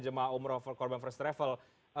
jemaah umroh korban first travel